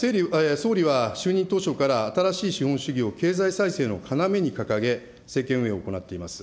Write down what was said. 総理は就任当初から、新しい資本主義を経済再生の要に掲げ、政権運営を行っています。